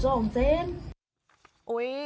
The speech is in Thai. วุย